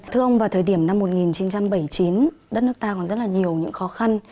thưa ông vào thời điểm năm một nghìn chín trăm bảy mươi chín đất nước ta còn rất là nhiều những khó khăn